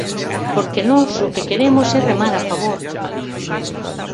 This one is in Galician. Porque nós o que queremos é remar a favor.